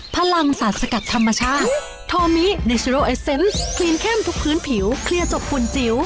โปรดติดตามตอนต่อไป